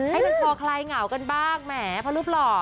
ให้เป็นพอใครเหงากันบ้างแหมพอรูปหล่อ